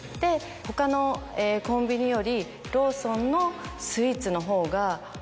他のコンビニより。